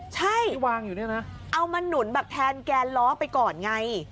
ใช่เอามาหนุนแบบแทนแกนล้อไปก่อนไง